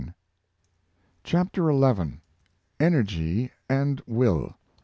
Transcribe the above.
CHAPTER XI ENERGY AND WILL.